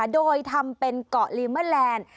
โดยทำเป็นเกาะลีเมอร์แลนด์